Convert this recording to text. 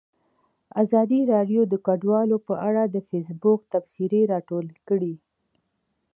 ازادي راډیو د کډوال په اړه د فیسبوک تبصرې راټولې کړي.